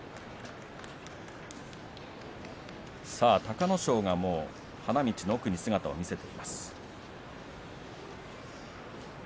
隆の勝が花道の奥に姿を見せています。